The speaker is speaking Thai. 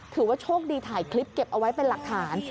ถือว่าโชคดีถ่ายคลิปเก็บเอาไว้เป็นหลักฐาน